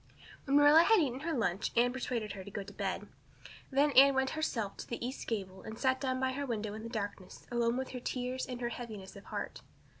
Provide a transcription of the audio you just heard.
When Marilla had eaten her lunch Anne persuaded her to go to bed. Then Anne went herself to the east gable and sat down by her window in the darkness alone with her tears and her heaviness of heart.